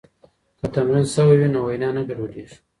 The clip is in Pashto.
که تمرین سوی وي نو وینا نه ګډوډېږي.